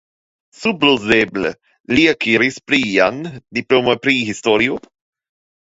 Supozeble li akiris plian diplomon pri historio?